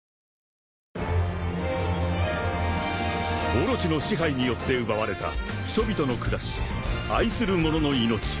［オロチの支配によって奪われた人々の暮らし愛する者の命］